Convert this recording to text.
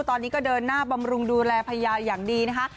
ตอนนี้ก็เดินหน้าบำรุงดูแลพญาอย่างดีนะคะ